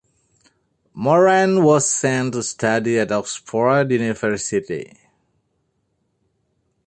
Morand was sent to study at Oxford University.